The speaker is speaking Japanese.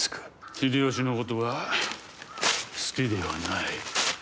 秀吉のことは好きではない。